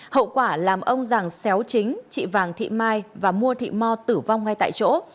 hậu quả làm ông giàng xéo chính chị vàng thị mai và mua thị mo tử vong ngay tại chỗ